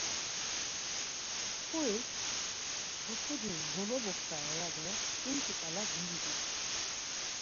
Mçxurik but̆ǩucis golobuxtare ya do ǩinçi ǩala dinciru.